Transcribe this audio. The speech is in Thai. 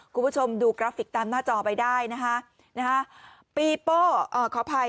คุณผู้ชมดูกราฟิกตามหน้าจอไปได้นะคะ